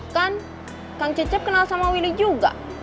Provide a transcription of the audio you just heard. kan kang cecep kenal sama willy juga